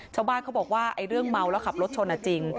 ชาวบ้านเขาบอกว่าเรื่องเมาแล้วขับรถชนจริง